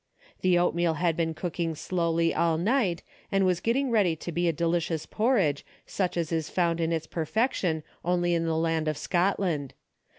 The oatmeal had been cooking slowly all night, and was getting ready to be a deli cious porridge, such as is found in its perfection only in the land of Scotland.